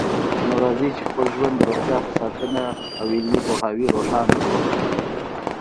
نو راځئ چې خپل ژوند د روغتیا په ساتنه او علمي پوهاوي روښانه کړو